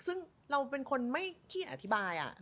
ซึ่งเราเป็นคนไม่ขี้อธิบาย